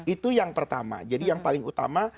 itu yang pertama jadi yang paling utama